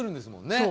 そう。